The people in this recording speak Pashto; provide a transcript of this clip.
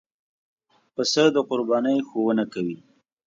پسه د قربانۍ ښوونه کوي.